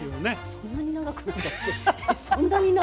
そんなに長くなったっけ？